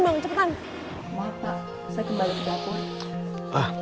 maaf pak saya kembali ke jatuh